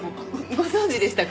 ご存じでしたか？